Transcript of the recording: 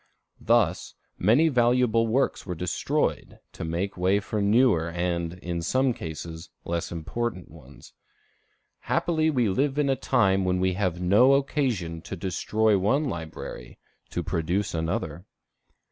Thus, many valuable works were destroyed to make way for newer, and, in some cases, less important ones. Happily we live in a time when we have no occasion to destroy one library to produce another.